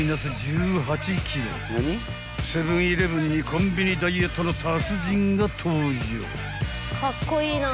［セブン−イレブンにコンビニダイエットの達人が登場］